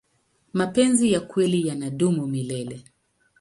mapenzi ya kweli yanadumu milele